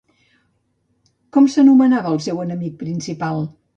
Com s'anomenava el seu enemic principal?